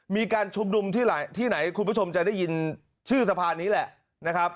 มีการชุมนุมที่ไหนคุณผู้ชมจะได้ยินชื่อสะพานนี้แหละนะครับ